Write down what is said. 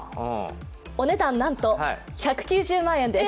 お値段なんと１９０万円です。